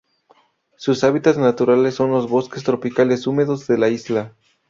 Sus hábitats naturales son los bosques tropicales húmedos de la isla.